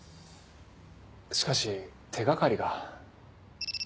しかし手掛かりが。